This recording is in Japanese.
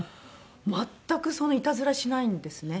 全くいたずらしないんですね。